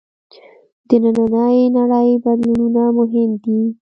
د نننۍ نړۍ بدلونونه مهم دي.